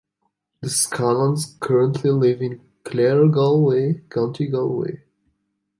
The Scallons currently live in Claregalway, County Galway.